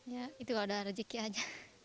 ya itu kalau ada rezeki aja